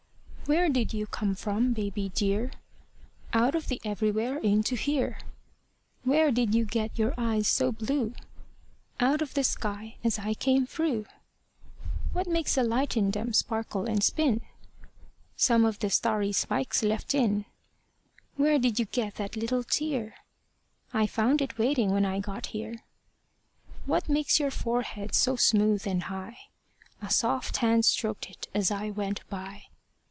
Where did you come from, baby dear? Out of the everywhere into here. Where did you get your eyes so blue? Out of the sky as I came through. What makes the light in them sparkle and spin? Some of the starry spikes left in. Where did you get that little tear? I found it waiting when I got here. What makes your forehead so smooth and high? A soft hand stroked it as I went by.